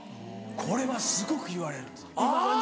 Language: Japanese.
これはすごく言われるんですいまだに。